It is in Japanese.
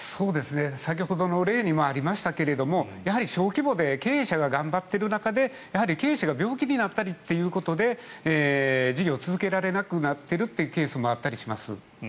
先ほどの例にもありましたが、小規模で経営者が頑張っている中で経営者が病気になったりということで事業を続けられなくなっているケースもあったりします。